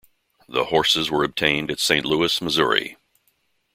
The horses were obtained at Saint Louis, Missouri.